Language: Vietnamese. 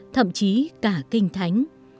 thậm chí cả kinh thánh